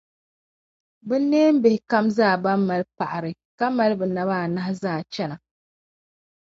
Binneembihi kam zaa bɛn mali paɣiri ka mali bɛ naba anahi zaa chana.